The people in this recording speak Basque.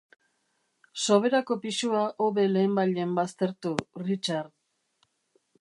Soberako pisua hobe lehenbailehen baztertu, Richard.